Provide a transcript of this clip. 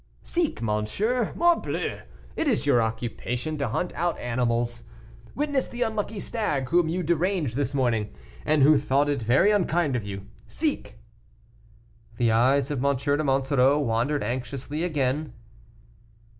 "Seek, monsieur. Morbleu, it is your occupation to hunt out animals, witness the unlucky stag whom you deranged this morning, and who thought it very unkind of you. Seek." The eyes of M. de Monsoreau wandered anxiously again.